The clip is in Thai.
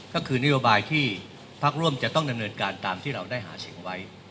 ก็คือนโยบายที่พักร่วมจะต้องดำเนินการตามที่เราได้หาเสียงไว้